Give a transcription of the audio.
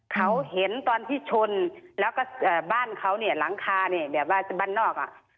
เขาเห็นตอนที่ชนแล้วก็บ้านเขาหลังคาบ้านนอก